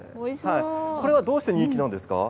どうして人気なんですか？